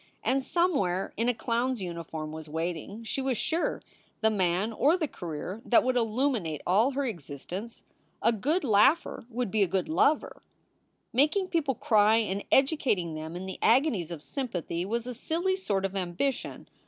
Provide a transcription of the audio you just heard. And somewhere in a clown s uniform was waiting, she was sure, the man or the career that would illuminate all her existence. A good laugher would be a good lover. Making people cry and educating them in the agonies of sympathy was a silly sort of ambition.